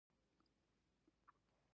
هغه د لوړ همت څښتن او پر ځان بسیا و